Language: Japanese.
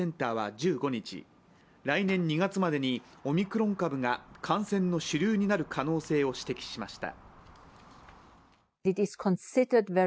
１５日、来年２月までにオミクロン株が感染の主流になる可能性を指摘しました。